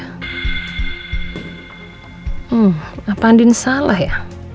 hmm apa andien salah ya